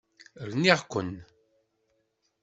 Rniɣ-ken.